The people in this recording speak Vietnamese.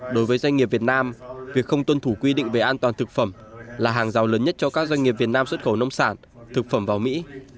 đối với doanh nghiệp việt nam việc không tuân thủ quy định về an toàn thực phẩm là hàng rào lớn nhất cho các doanh nghiệp việt nam xuất khẩu nông sản thực phẩm vào mỹ